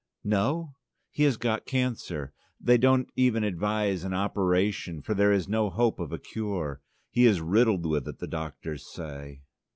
"No? He has got cancer. They don't even advise an operation, for there is no hope of a cure: he is riddled with it, the doctors say."